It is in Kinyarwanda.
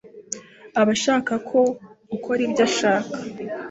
aba ashaka ko ukora ibyo ashaka